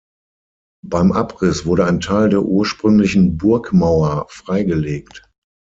Beim Abriss wurde ein Teil der ursprünglichen Burgmauer freigelegt.